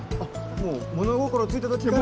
もう物心ついた時から？